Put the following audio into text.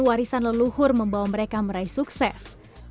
warisan leluhur membawa mereka meraih sukses